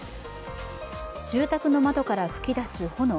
住宅の窓から噴き出す炎。